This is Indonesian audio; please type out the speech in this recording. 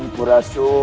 mampus di tanganku